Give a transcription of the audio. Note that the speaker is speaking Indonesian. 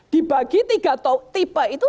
dibagi tiga tipe itu